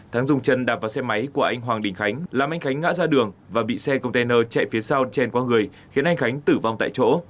thắng dùng chân đạp vào xe máy của anh hoàng đình khánh làm anh khánh ngã ra đường và bị xe container chạy phía sau chèn qua người khiến anh khánh tử vong tại chỗ